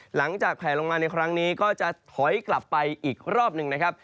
แผลลงมาในครั้งนี้ก็จะถอยกลับไปอีกรอบหนึ่งนะครับ